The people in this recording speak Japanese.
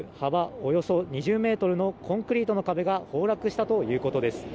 およそ２０メートルのコンクリートの壁が崩落したということです